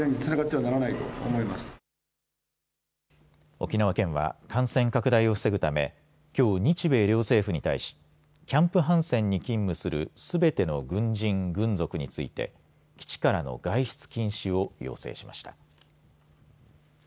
沖縄県は感染拡大を防ぐためきょう、日米両政府に対しキャンプハンセンに勤務するすべての軍人・軍属について基地からの外出禁止を要請しました。